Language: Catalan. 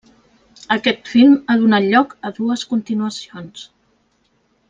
Aquest film ha donat lloc a dues continuacions.